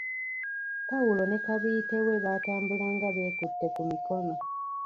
Pawulo ne kabiite we baatambulanga beekutte ku mikono.